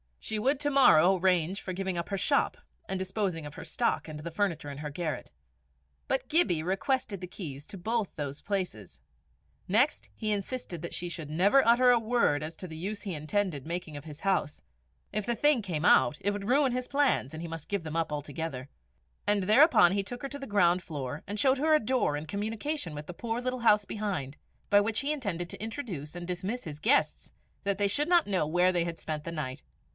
She would to morrow arrange for giving up her shop and disposing of her stock and the furniture in her garret. But Gibbie requested the keys of both those places. Next, he insisted that she should never utter a word as to the use he intended making of his house; if the thing came out, it would ruin his plans, and he must give them up altogether and thereupon he took her to the ground floor and showed her a door in communication with a poor little house behind, by which he intended to introduce and dismiss his guests, that they should not know where they had spent the night.